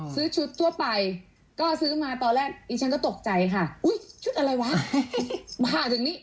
ชุดทั่วไปก็ซื้อมาตอนแรกดิฉันก็ตกใจค่ะอุ้ยชุดอะไรวะมาถึงนี่